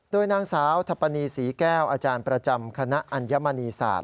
โดยนางสาวทัพปณีศรีแก้วอาจารย์ประจำคณะอัญมณีศาสต